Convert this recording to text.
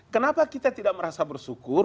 kenapa kita tidak merasa bersyukur